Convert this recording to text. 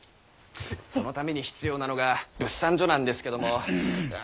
そのために必要なのが物産所なんですけどもこれがなかなか。